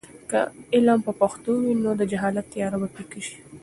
که علم په پښتو وي، نو د جهل تیاره به پیکه سي.